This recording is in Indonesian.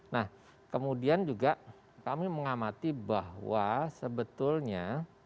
nah kemudian juga kami mengamati bahwa sebetulnya